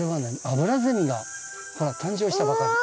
アブラゼミが誕生したばかり。